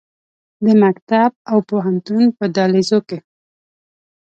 د مکتب او پوهنتون په دهلیزو کې